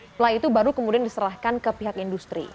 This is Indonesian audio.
setelah itu baru kemudian diserahkan ke pihak industri